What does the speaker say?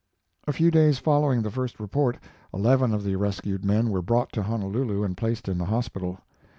A few days following the first report, eleven of the rescued men were brought to Honolulu and placed in the hospital.